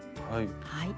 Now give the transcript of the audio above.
はい。